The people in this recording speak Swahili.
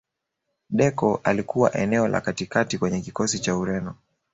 deco alikuwa eneo la katikati kwenye kikosi cha ureno